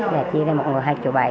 rồi chia ra một người hai mươi bảy